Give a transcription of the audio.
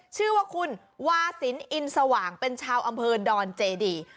ชื่อว่าคุณวาสินอินสว่างเป็นชาวอำเภอดอนเจดี